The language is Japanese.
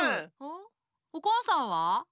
んおこんさんは？